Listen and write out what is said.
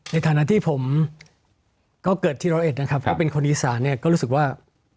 ในฐานะที่ผมก็เกิดที่ร้อยเอ็ดนะครับก็เป็นคนอีสานเนี่ยก็รู้สึกว่า